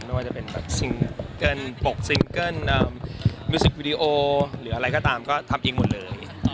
ไม่ว่าจะเป็นแบบซิงเกิ้ลปกซิงเกิ้ลมิวสิกวิดีโอหรืออะไรก็ตามก็ทำเองหมดเลย